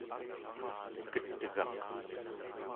ket'gaq